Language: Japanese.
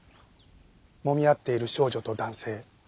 もみ合っている少女と男性。